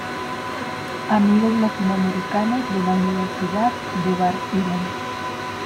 Amigos Latinoamericanos de la Universidad de Bar Ilan.